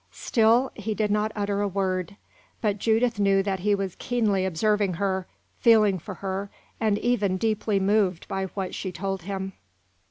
Still, he did not utter a word. But Judith knew that he was keenly observing her, feeling for her, and even deeply moved by what she told him.